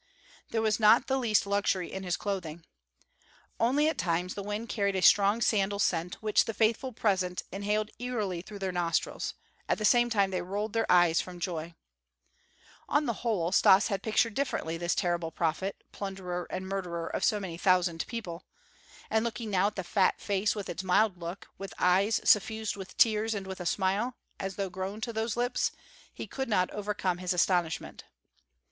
There was not the least luxury in his clothing. Only at times the wind carried a strong sandal* [* From sandal wood, from which in the East a fragrant oil is derived.] scent which the faithful present inhaled eagerly through their nostrils; at the same time they rolled their eyes from joy. On the whole Stas had pictured differently this terrible prophet, plunderer, and murderer of so many thousand people, and looking now at the fat face with its mild look, with eyes suffused with tears, and with a smile, as though grown to those lips, he could not overcome his astonishment.